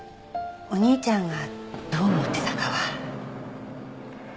お兄ちゃんがどう思ってたかは。